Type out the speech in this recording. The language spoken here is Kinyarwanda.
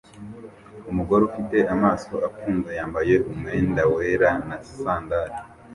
Umugore ufite amaso afunze yambaye umwenda wera na sandal